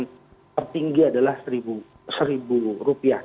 tapi tertinggi adalah rp satu